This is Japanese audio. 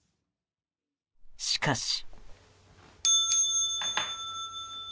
しかし。